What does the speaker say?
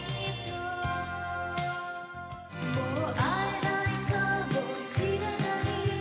「もう逢えないかもしれない」